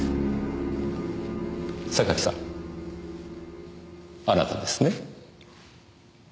榊さんあなたですね？